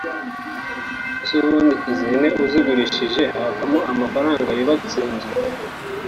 ese ubundi izi hene uzigurishije havamo amafaranga yubatse inzu